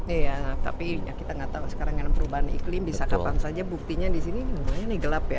iya tapi ya kita nggak tahu sekarang dengan perubahan iklim bisa kapan saja buktinya di sini semuanya ini gelap ya